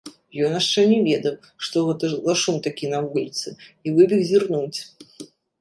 Ён яшчэ не ведаў, што гэта за шум такі на вуліцы, і выбег зірнуць.